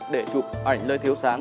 để chụp ảnh nơi thiếu sáng